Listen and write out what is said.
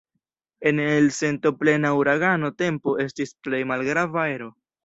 Ene de sentoplena uragano tempo estis plej malgrava ero.